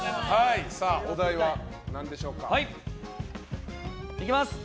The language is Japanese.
お題は何でしょうか。